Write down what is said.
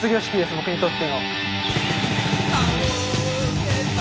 僕にとっての。